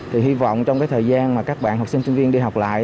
thì hy vọng trong cái thời gian mà các bạn học sinh sinh viên đi học lại